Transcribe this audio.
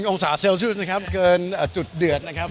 องศาเซลเซียสนะครับเกินจุดเดือดนะครับ